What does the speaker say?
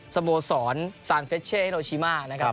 สโมสรซานเฟชเช่เฮโนชิมานะครับ